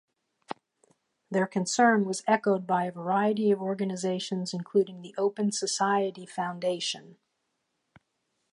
Their concern was echoed by a variety of organizations including the Open Society Foundation.